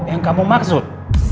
yang kamu maksud